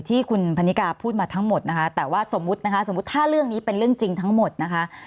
ที่คุณพันนิกาพูดมาทั้งหมดนะคะแต่ว่าสมมุตินะคะสมมุติถ้าเรื่องนี้เป็นเรื่องจริงทั้งหมดนะคะ